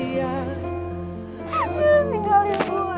ya makasih ya pak